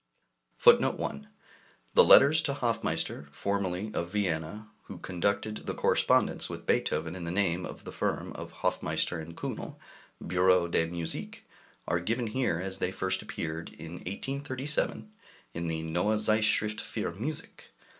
[Footnote 1: The letters to Hofmeister, formerly of Vienna, who conducted the correspondence with Beethoven in the name of the firm of "Hofmeister & Kühnel, Bureau de Musique," are given here as they first appeared in 1837 in the Neue Zeitschrift für Musik.